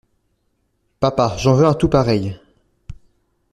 Papa, j’en veux un tout pareil!